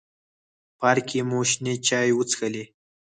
پارک کې مو شنې چای وڅښلې.